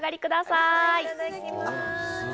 いただきます。